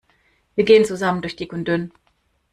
Wir gehen zusammen durch dick und dünn.